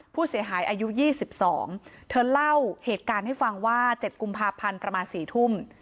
ผู้เสียหายอายุยี่สิบสองเธอเล่าเหตุการณ์ให้ฟังว่าเจ็ดกุมภาพันธ์ประมาณสี่ทุ่ม